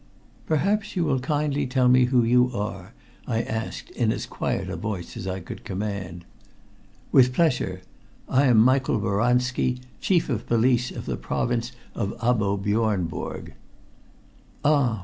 "Perhaps you will kindly tell me who you are?" I asked in as quiet a voice as I could command. "With pleasure. I am Michael Boranski, Chief of Police of the Province of Abo Biornebourg." "Ah!